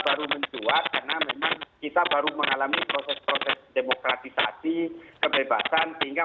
baru mencuat karena memang kita baru mengalami proses proses demokratisasi kebebasan sehingga